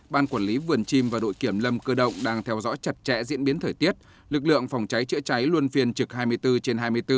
ban quản lý vườn chim và đội kiểm lâm cơ động đang theo dõi chặt chẽ diễn biến thời tiết lực lượng phòng cháy chữa cháy luôn phiên trực hai mươi bốn trên hai mươi bốn